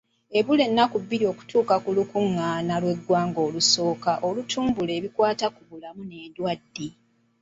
Ebula nnaku bbiri okutuuka ku lukungaana lw'eggwanga olusooka olutumbula ebikwata ku bulamu n'endwadde.